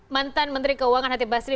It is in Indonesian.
mantan menteri keuangan hati basri